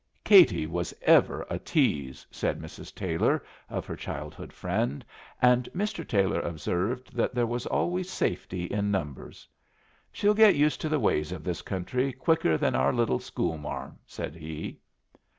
"Katie was ever a tease," said Mrs. Taylor of her childhood friend, and Mr. Taylor observed that there was always safety in numbers. "She'll get used to the ways of this country quicker than our little school marm," said he.